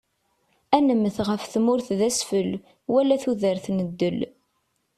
Ad nemmet ɣef tmurt d asfel, wal tudert n ddel.